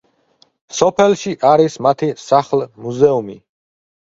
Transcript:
სოფელში არის მათი სახლ-მუზეუმი.